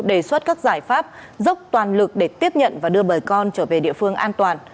đề xuất các giải pháp dốc toàn lực để tiếp nhận và đưa bà con trở về địa phương an toàn